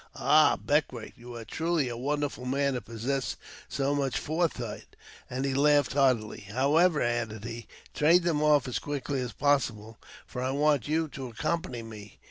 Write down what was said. " Ah, Beckwourth, you are truly a wonderful man to possess so much forethought," and he laughed heartily. " However," added he, " trade them off as quickly as possible, for I want you to accompany me.